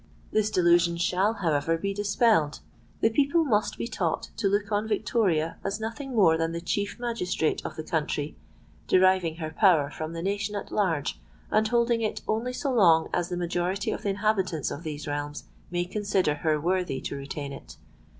This delusion shall, however, be dispelled;—the people must be taught to look on Victoria as nothing more than the chief magistrate of the country, deriving her power from the nation at large, and holding it only so long as the majority of the inhabitants of these realms may consider her worthy to retain it.